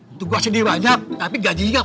untuk gua sendiri banyak tapi gaji gak pernah naik